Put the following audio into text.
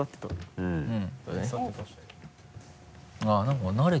うん。